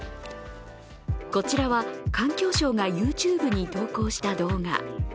こちらは、環境省がＹｏｕＴｕｂｅに投稿した動画。